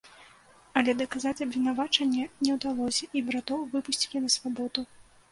Але даказаць абвінавачанне не ўдалося, і братоў выпусцілі на свабоду.